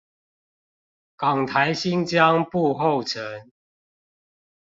港台新彊步後塵